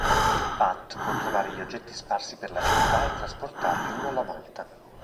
Pat può trovare gli oggetti sparsi per la città e trasportarli uno alla volta.